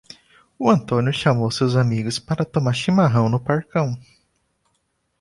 O Antônio chamou seus amigos para tomar chimarrão no no Parcão.